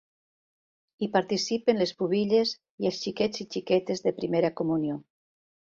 Hi participen les pubilles i els xiquets i xiquetes de Primera Comunió.